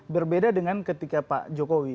berbeda dengan ketika pak jokowi